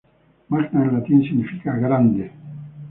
Magna en latín significa "grande".